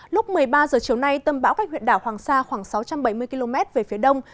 lúc một mươi ba h chiều nay tâm bão cách huyện đảo hoàng sa khoảng sáu trăm bảy mươi km về phía đông